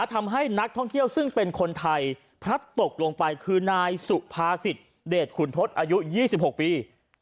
ทำให้นักท่องเที่ยวซึ่งเป็นคนไทยพลัดตกลงไปคือนายสุภาษิตเดชขุนทศอายุ๒๖ปี